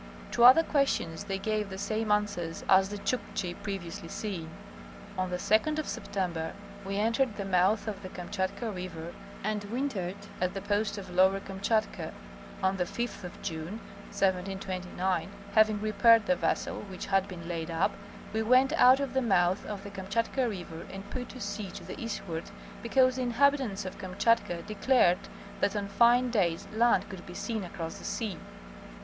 To other questions they gave the same answers as the Chukchi previously seen. ie On the 2d of September we entered the mouth of the Kam chatka river and wintered at the post of Lower Kamchatka. On the 5th of June, 1729, having repaired the vessel which had been laid up, we went out of the mouth of the Kamchatka river and put to sea to the eastward, because the inhabitants of Kam chatka declared that on fine days land could be seen across the sea.